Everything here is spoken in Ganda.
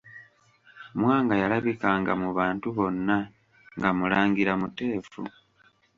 Mwanga yalabikanga mu bantu bonna nga mulangira muteefu.